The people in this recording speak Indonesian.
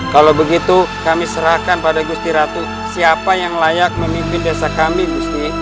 kalau begitu kami serahkan pada gusti ratu siapa yang layak memimpin desa kami gusti